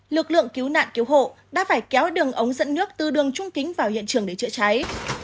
lực lượng cứu nạn cứu hộ đã phải kéo đường ống dẫn nước từ đường trung kính vào hiện trường để chữa cháy